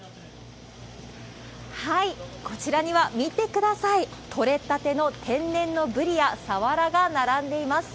こちらには、見てください、取れたての天然のブリや、サワラが並んでいます。